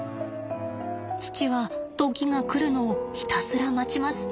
父は時が来るのをひたすら待ちます。